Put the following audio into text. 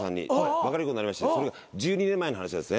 別れることになりましてそれが１２年前の話ですね。